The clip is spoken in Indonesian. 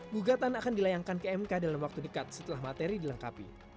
gugatan akan dilayangkan ke mk dalam waktu dekat setelah materi dilengkapi